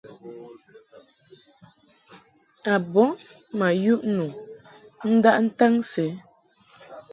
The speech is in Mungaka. A bɔŋ ma yuʼ nu ndaʼ ntaŋ sɛ.